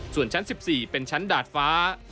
ส่วนชั้น๑๔เป็นชั้นดาดฟ้า